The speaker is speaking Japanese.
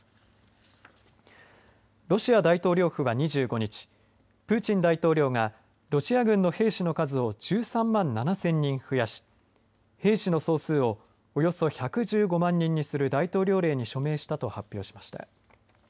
ロシア大統領府は２５日プーチン大統領がロシア軍の兵士の数を１３万７０００人増やし兵士の総数をおよそ１１５万人する大統領令に署名したと発表しました。